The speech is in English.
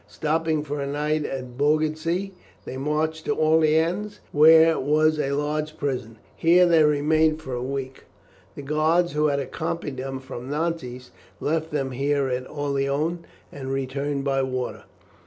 Stopping for a night at Beaugency, they marched to Orleans, where was a large prison. Here they remained for a week. The guards who had accompanied them from Nantes left them here at Orleans and returned by water.